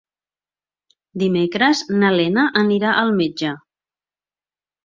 Dimecres na Lena anirà al metge.